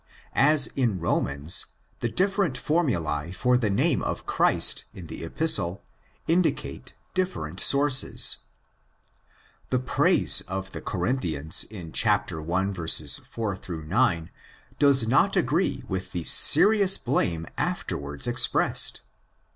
As in Romans, the different formuls for the name of Christ in the Epistle indicate different sources. The praise of the Corinthians in i. 4 9 does not agree with the serious blame afterwards expressed.